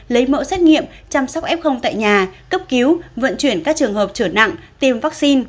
lấy mẫu xét nghiệm chăm sóc f tại nhà cấp cứu vận chuyển các trường hợp trở nặng tiêm vaccine